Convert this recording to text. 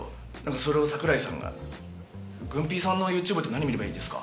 それを櫻井さんが「ぐんぴぃさんのＹｏｕＴｕｂｅって何見ればいいですか？」